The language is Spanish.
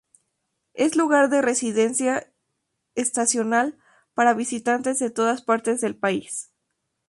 Es lugar de residencia estacional para visitantes de todas partes del país.